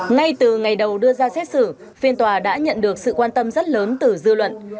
ngay từ ngày đầu đưa ra xét xử phiên tòa đã nhận được sự quan tâm rất lớn từ dư luận